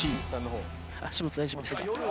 足元、大丈夫ですか？